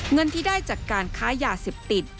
เงินที่ได้จากการค้ายาเสพติด